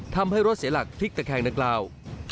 ทำให้รถเสียหลักทิ้งตะแคงนักราว